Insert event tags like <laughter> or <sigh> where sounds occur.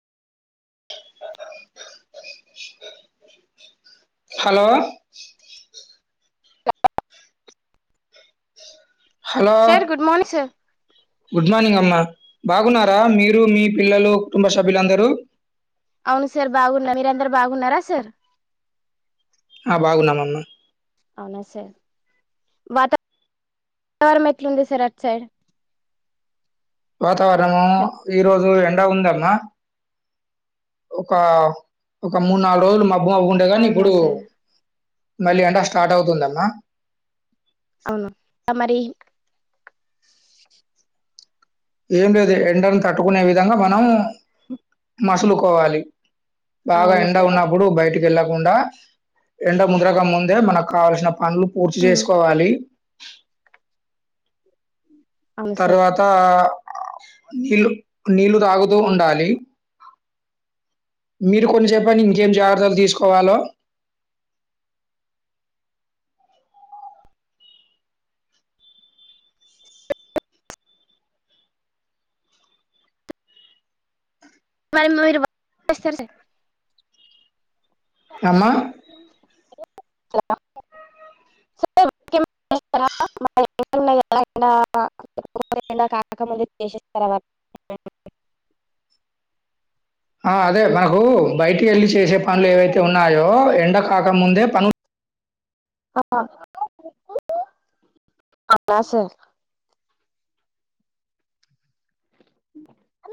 hello hello sir good morning sir good morning అమ్మ బాగున్నారా మీరు మీ పిల్లలు కుటుంబ సభ్యులందరు అవును సార్ బాగున్న మీరందరు బాగున్నారా సార్ ఆ బాగున్నామమ్మ వాతవర వాతావరణం ఎట్లుంది సార్ అట్ సైడ్ వాత వాతావరణము ఈ రోజు ఎన్ ఎట్లా ఉందమ్మా ఒక ఒక మూడు నాలుగు రోజులు మబ్బు మబ్బు మబ్బుగుంటది కాని అవునా ఇప్పుడు సార్ మళ్ళీ ఎండ స్టార్ట్ అవుతుందమ్మా అవును మరి ఏం లేదు ఎండను తట్టుకునే విధంగా మనము మసులుకోవాలి బాగా అవును ఎండ సార్ ఉన్నప్పుడు బయటికి వెళ్ళకు కుండా ఎండ ముదరక ముందే మనకు కావాల్సిన పనులు పూర్తి చేసుకోవాలి అవును సార్ తర్వాతా నీళ్లు నీళ్లు తాగుతూ ఉండాలి మీరు కొన్ని చెప్పండి ఇంకేం జాగ్రత్తలు తీసుకోవాలో మరి మీరు <unintelligible> అమ్మా <unintelligible> ఆ అదే మనకు బయటికి వెళ్ళి చేసే పనులు ఏవైతే ఉన్నాయో ఎండకు కాక ముందే పను <unintelligible> అవునా సార్